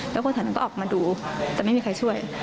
แล้วคนแถวนั้นก็ออกมาดูแต่ไม่มีใครช่วย